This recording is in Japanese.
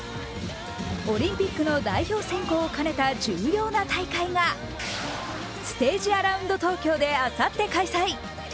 オリンピックの代表選考を兼ねた重要な大会がステージアラウンド東京であさって開催。